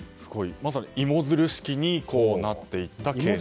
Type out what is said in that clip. まさに芋づる式になっていったケースですね。